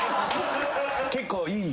・結構いい。